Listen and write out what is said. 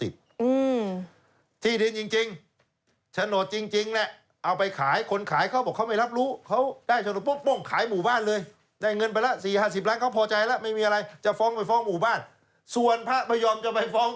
ฟ้องเชาฮกรุงไม่ได้เพราะเขามีชโนจ